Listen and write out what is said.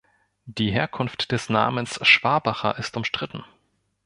Die Herkunft des Namens „Schwabacher“ ist umstritten.